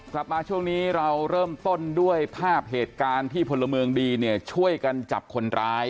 กลับมาช่วงนี้เราเริ่มต้นด้วยภาพเหตุการณ์ที่พลเมืองดีเนี่ยช่วยกันจับคนร้าย